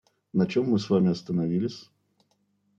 На чем мы с вами остановились?